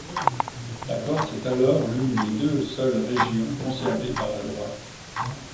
La Corse est alors l'une des deux seules régions conservées par la droite.